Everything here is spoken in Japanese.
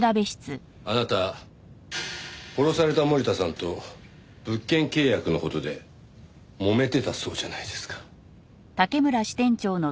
あなた殺された森田さんと物件契約の事で揉めてたそうじゃないですか。